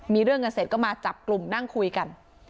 มีเรื่องกันเสร็จก็มาจับกลุ่มนั่งคุยกัน